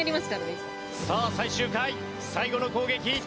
さあ最終回最後の攻撃。